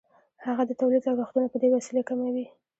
هغه د تولید لګښتونه په دې وسیله کموي